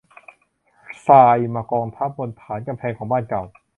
ทรายมากองทับถมบนฐานกำแพงของบ้านเก่า